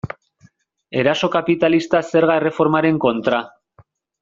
Eraso kapitalista zerga erreformaren kontra.